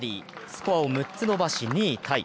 スコアを６つ伸ばし、２位タイ。